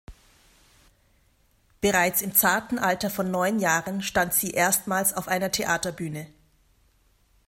Bereits im zarten Alter von neun Jahren stand sie erstmals auf einer Theaterbühne.